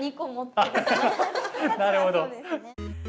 なるほど。